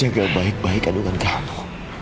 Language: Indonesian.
jaga baik baik aduan kamu